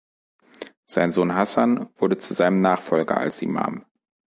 Sein Sohn Hasan wurde zu seinem Nachfolger als Imam.